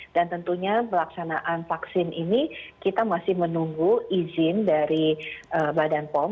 dan tentunya pelaksanaan vaksin ini kita masih menunggu izin dari badan pom